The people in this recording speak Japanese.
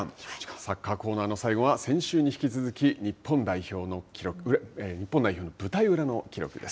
サッカーコーナーの最後は、先週に引き続き、日本代表の舞台裏の記録です。